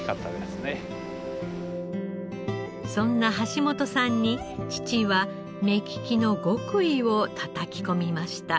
そんな橋本さんに父は目利きの極意をたたき込みました。